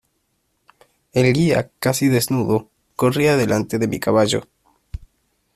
el guía, casi desnudo , corría delante de mi caballo.